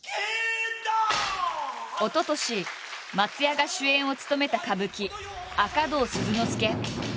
おととし松也が主演を務めた歌舞伎「赤胴鈴之助」。